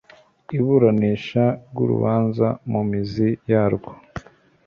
iburanisha ry urubanza mu mizi yarwo